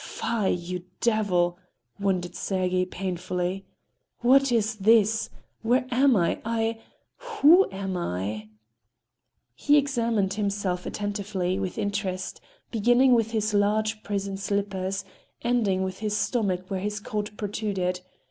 "Fie, you devil!" wondered Sergey, painfully. "What is this? Where am I? I—who am I?" He examined himself attentively, with interest, beginning with his large prison slippers, ending with his stomach where his coat protruded.